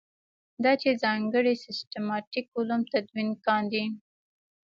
دا چې ځانګړي سیسټماټیک علوم تدوین کاندي.